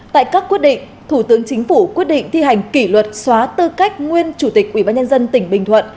tại các quyết định thủ tướng chính phủ quyết định thi hành kỷ luật xóa tư cách nguyên chủ tịch ubnd tỉnh bình thuận